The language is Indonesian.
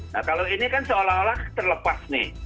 nah kalau ini kan seolah olah terlepas nih